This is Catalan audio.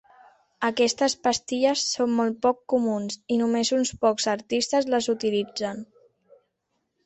Aquestes pastilles són molt poc comuns, i només uns pocs artistes les utilitzen.